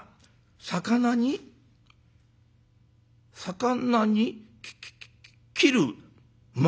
『魚』に『魚』にき『切』『丸』？